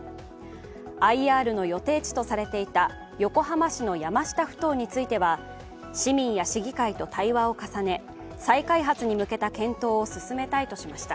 ＩＲの予定地とされていた横浜市の山下ふ頭については市民や市議会と対話を重ね再開発に向けた検討を進めたいとしました。